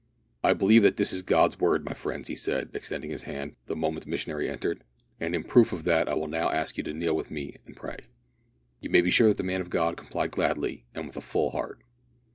"I believe that this is God's Word, my friend," he said, extending his hand, the moment the missionary entered, "and in proof of that I will now ask you to kneel with me and pray." You may be sure that the man of God complied gladly and with a full heart.